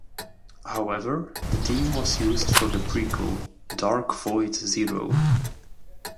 However, the theme was used for the prequel, "Dark Void Zero".